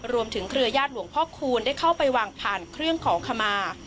เครือญาติหลวงพ่อคูณได้เข้าไปวางผ่านเครื่องขอขมา